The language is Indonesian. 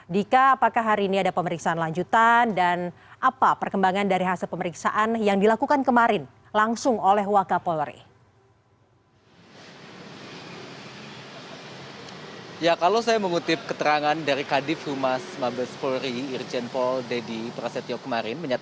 dika apakah hari ini ada pemeriksaan lanjutan dan apa perkembangan dari hasil pemeriksaan yang dilakukan kemarin langsung oleh wakapolri